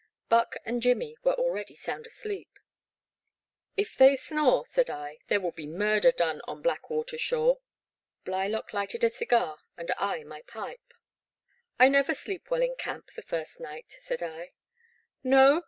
Buck and Jimmy were already sound asleep. *' If they snore," said I, there will be murder done on Black Water shore." Blylock lighted a dgar and I my pipe. i82 The Black Water. " I never sleep well in camp the first night/* said I. '* No